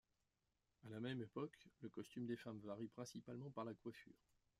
À la même époque, le costume des femmes varie principalement par la coiffure.